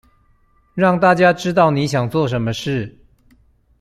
讓大家知道你想做什麼事